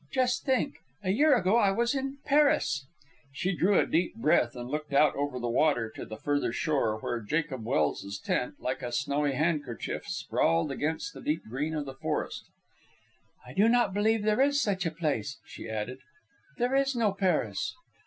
Just think! A year ago I was in Paris!" She drew a deep breath and looked out over the water to the further shore, where Jacob Welse's tent, like a snowy handkerchief, sprawled against the deep green of the forest. "I do not believe there is such a place," she added. "There is no Paris."